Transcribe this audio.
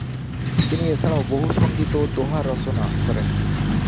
তিনি এছাড়াও বহু সঙ্গীত ও দোঁহা রচনা করেন।